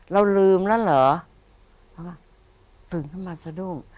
เราลืมแล้วเหรอตื่นขึ้นมาสะดุ้ง